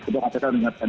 sudah petika mengatakan